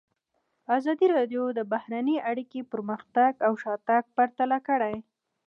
ازادي راډیو د بهرنۍ اړیکې پرمختګ او شاتګ پرتله کړی.